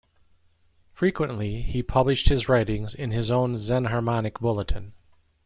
Frequently he published his writings in his own Xenharmonic Bulletin.